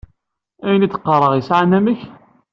Ayen i d-qqaṛeɣ yesɛa anamek?